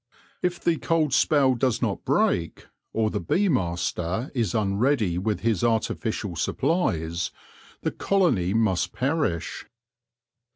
If the cold spell does not break, or the bee master is un ready with his artificial supplies, the colony must perish.